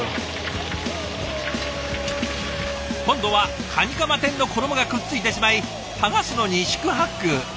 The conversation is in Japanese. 今度はカニカマ天の衣がくっついてしまい剥がすのに四苦八苦。